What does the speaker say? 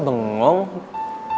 apakah ini cinta